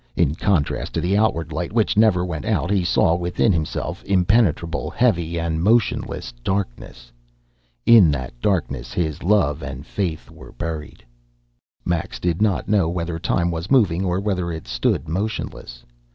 In contrast to the outward light which never went out he saw within himself impenetrable, heavy, and motionless darkness. In that darkness his love and faith were buried. Max did not know whether time was moving or whether it stood motionless.